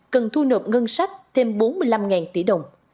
cần thu nập ngân sách thêm bốn mươi năm đồng